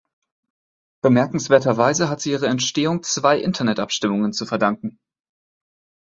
Bemerkenswerterweise hat sie ihre Entstehung zwei Internetabstimmungen zu verdanken.